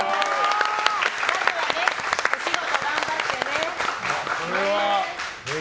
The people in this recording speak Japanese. まずはお仕事頑張ってね。